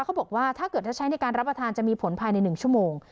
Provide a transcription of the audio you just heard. เขาบอกว่าถ้าเกิดถ้าใช้ในการรับประทานจะมีผลภายใน๑ชั่วโมง